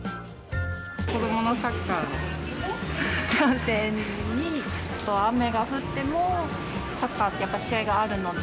子どものサッカーの観戦に、雨が降ってもサッカーってやっぱり試合があるので。